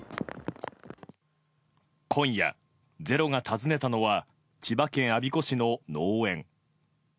今夜、「ｚｅｒｏ」が訪ねたのは千葉県我孫子市の農園。